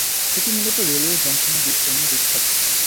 এটি মূলত রেলওয়ে জংশনের জন্য বিখ্যাত।